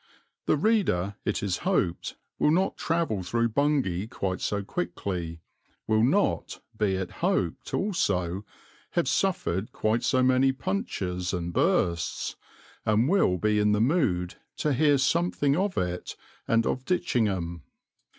The reader, it is hoped, will not travel through Bungay quite so quickly, will not, be it hoped also, have suffered quite so many punctures and bursts, and will be in the mood to hear something of it and of Ditchingham.